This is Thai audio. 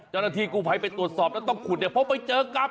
เจ้าหน้าที่กูไปตรวจสอบต้องขุดเพราะไปเจอกับ